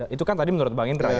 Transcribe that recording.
itu kan tadi menurut bang indra